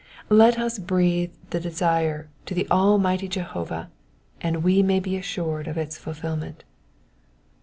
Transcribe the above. Let us breathe the desire to the All merciful Jehovah, and we may be assured of its fulfilment.